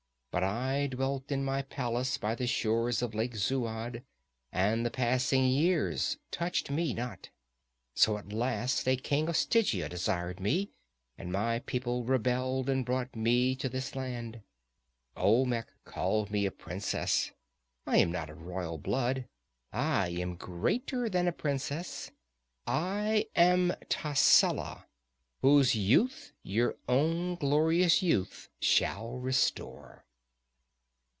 But I dwelt in my palace by the shores of Lake Zuad and the passing years touched me not. So at last a king of Stygia desired me, and my people rebelled and brought me to this land. Olmec called me a princess. I am not of royal blood. I am greater than a princess. I am Tascela, whose youth your own glorious youth shall restore."